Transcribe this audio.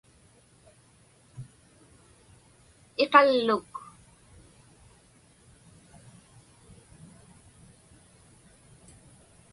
iqalluk